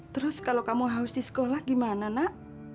terus kalau kamu haus di sekolah gimana nak